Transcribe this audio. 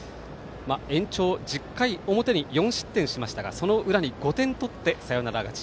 延長１０回表に４失点しましたがその裏に５点取ってサヨナラ勝ち。